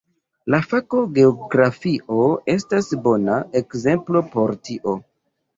La fako geografio estas bona ekzemplo por tio.